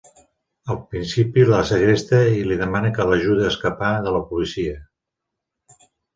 Al principi la segresta i li demana que l'ajude a escapar de la policia.